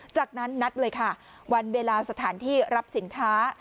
จากนั้นนัดเลยค่ะวันเวลาสถานที่รับสินค้า